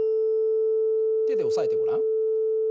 手で押さえてごらん。